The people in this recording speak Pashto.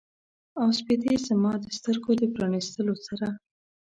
او سپیدې زما د سترګو د پرانیستلو سره